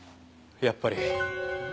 やっぱり。